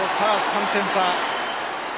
３点差。